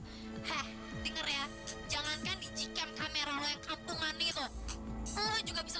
hai hai denger ya jangan kan di cam kamera lo yang kampungan itu juga bisa